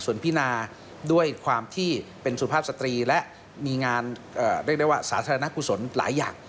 ส่วนพินาด้วยความที่เป็นสุภาพสตรีและมีงานเรียกได้ว่าสาธารณกุศลหลายอย่าง